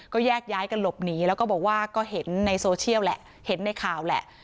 ก็แยกย้ายกันหลบหนีแล้วก็บอกว่าก็เห็นในโซเชียลแหละเห็นในข่าวแหละ